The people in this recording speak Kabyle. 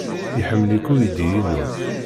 Iḥemmel-ik uydi-inu.